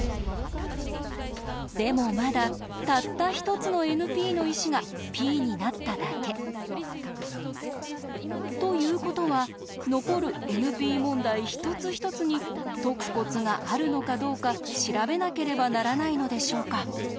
でもまだたった一つのＮＰの石がＰになっただけ。ということは残るＮＰ問題一つ一つに解くコツがあるのかどうか調べなければならないのでしょうか？